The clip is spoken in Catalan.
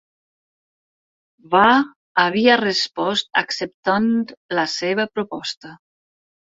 Va havia respost acceptant la seva proposta.